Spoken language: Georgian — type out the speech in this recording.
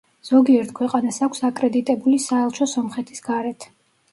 ზოგიერთ ქვეყანას აქვს აკრედიტებული საელჩო სომხეთის გარეთ.